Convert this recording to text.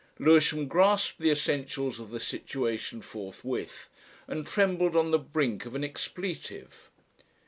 Lewisham grasped the essentials of the situation forthwith, and trembled on the brink of an expletive.